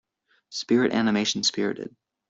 Spirit animation Spirited.